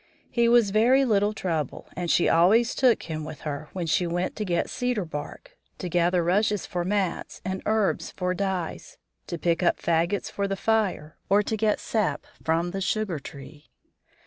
He was very little trouble, and she always took him with her when she went to get cedar bark, to gather rushes for mats and herbs for dyes, to pick up fagots for the fire, or to get sap from the sugar tree.